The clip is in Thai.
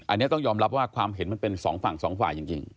อันนี้ต้องยอมรับว่าความเห็นมันเป็นสองฝั่งสองฝ่ายจริง